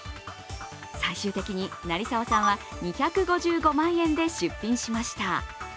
最終的に成沢さんは２５５万円で出品しました。